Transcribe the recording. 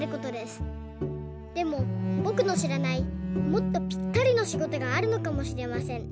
でもぼくのしらないもっとぴったりのしごとがあるのかもしれません。